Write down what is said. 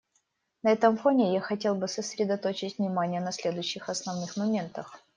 На этом фоне я хотел бы сосредоточить внимание на следующих основных моментах.